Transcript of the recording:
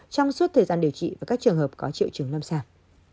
trong suốt thời gian điều trị với các trường hợp có triệu chứng lâm sàng